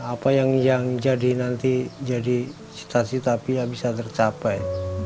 apa yang jadi nanti jadi cita cita fia bisa tercapai